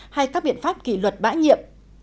hay các biện pháp kỷ luật bãi nhiệm